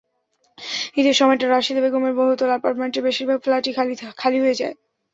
ঈদের সময়টা রাশিদা বেগমদের বহুতল অ্যাপার্টমেন্টের বেশির ভাগ ফ্ল্যাটই খালি হয়ে যায়।